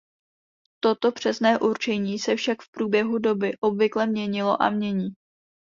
Toto přesné určení se však v průběhu doby obvykle měnilo a mění.